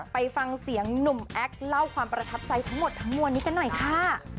ไปฟังเสียงหนุ่มแอคเล่าความประทับใจทั้งหมดทั้งมวลนี้กันหน่อยค่ะ